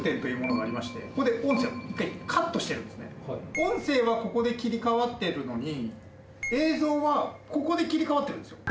音声はここで切り替わってるのに映像はここで切り替わってるんですよ。